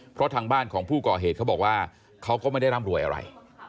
เพราะทางบ้านของผู้ก่อเหตุเขาบอกว่าเขาก็ไม่ได้ร่ำรวยอะไร